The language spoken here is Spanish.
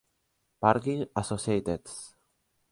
Parkin Associates.